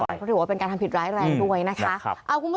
เพราะถือว่าเป็นการทำผิดร้ายแรงด้วยนะคะ